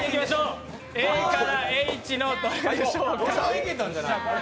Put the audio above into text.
ＡからＨのどれでしょうか。